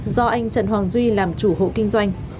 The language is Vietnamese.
do anh trần hoàng duy làm chủ hộ kinh doanh